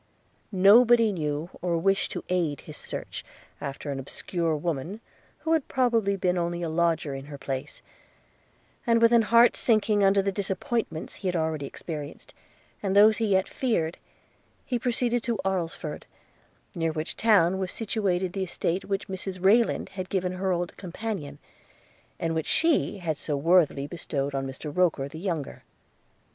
Nobody knew, or wished to aid his search after an obscure woman, who had probably been only a lodger in her place; and with an heart sinking under the disappointments he had already experienced, and those he yet feared, he proceeded to Alresford, near which town was situated the estate which Mrs Rayland had given her old companion, and which she had so worthily bestowed on Mr Roker the younger.